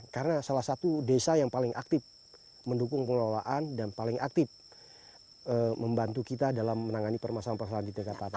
karena salah satu desa yang paling aktif mendukung pengelolaan dan paling aktif membantu kita dalam menangani permasalahan permasalahan di tingkat taman